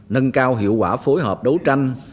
nâng cao hiệu quả phối hợp đấu tranh